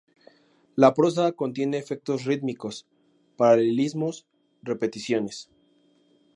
La prosa contiene efectos rítmicos, paralelismos, repeticiones.